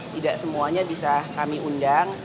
tidak semuanya bisa kami undang